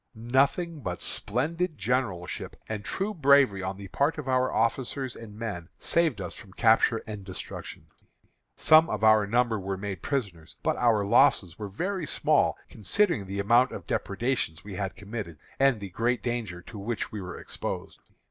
Nothing but splendid generalship and true bravery on the part of our officers and men saved us from capture and destruction. Some of our number were made prisoners, but our losses were very small considering the amount of depredations we had committed, and the great danger to which we were exposed.